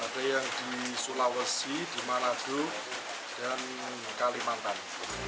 ada yang di sulawesi di manado dan kalimantan